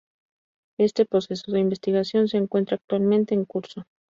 Este proceso de investigación se encuentra actualmente en curso.